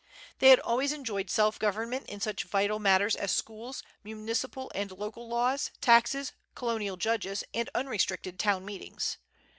They had always enjoyed self government in such vital matters as schools, municipal and local laws, taxes, colonial judges, and unrestricted town meetings.